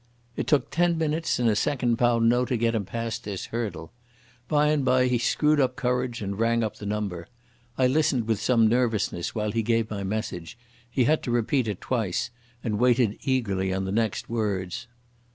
It took ten minutes and a second pound note to get him past this hurdle. By and by he screwed up courage and rang up the number. I listened with some nervousness while he gave my message—he had to repeat it twice—and waited eagerly on the next words.